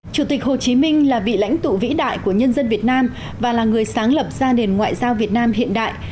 chủ tịch hồ chí minh là vị lãnh tụ vĩ đại của nhân dân việt nam và là người sáng lập ra nền ngoại giao việt nam hiện đại